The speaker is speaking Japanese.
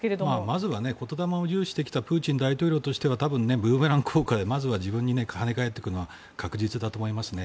まずは言霊を重視してきたプーチン大統領としては多分、ブーメラン効果で自分に跳ね返ってくるのは確実だと思いますね。